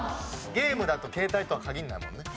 ゲームだと携帯とは限らないもんね。